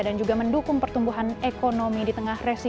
dan juga mendukung pertumbuhan ekonomi di tengah resmi